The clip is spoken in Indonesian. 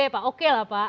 pak oke lah pak